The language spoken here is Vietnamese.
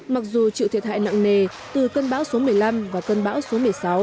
mặc dù chịu thiệt hại nặng nề từ cơn bão số một mươi năm và cơn bão số một mươi sáu